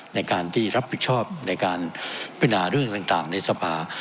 ในการที่รับผิดชอบในการพินาเรื่องต่างในสภา